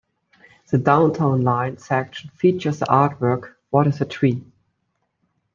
The Downtown Line section features the artwork What is a Tree?